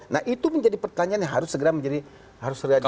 nah itu menjadi pertanyaan yang harus segera diselesaikan